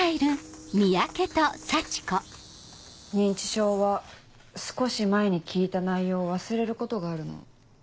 認知症は少し前に聞いた内容を忘れることがあるの。